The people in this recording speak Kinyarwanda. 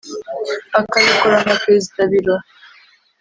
akabikora nka Perezida Biro